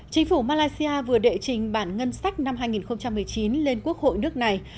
chính phủ malaysia vừa đệ trình bản ngân sách năm hai nghìn một mươi chín lên quốc hội nước này